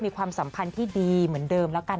ความสัมพันธ์ที่ดีเหมือนเดิมแล้วกัน